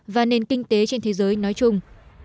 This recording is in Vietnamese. và nền kinh tế trên thế giới nói chung